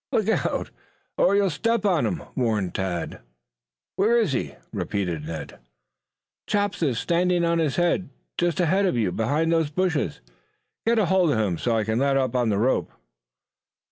"Look out, or you'll step on him," warned Tad. "Where is he?" repeated Ned. "Chops is standing on his head just ahead of you behind those bushes. Get hold of him so I can let up on the rope."